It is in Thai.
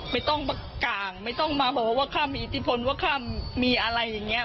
ไม่ต้องมาก่างไม่ต้องมาโหว่าข้ามมีอิทธิพลว่าข้ามมีอะไรอย่างนี้